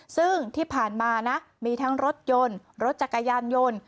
ซึ่งที่ผ่านมานะมีทั้งรถยนต์รถจักรยานยนต์